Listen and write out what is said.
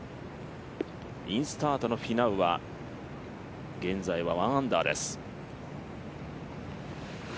インスタートのフィナウは現在は１アンダーです。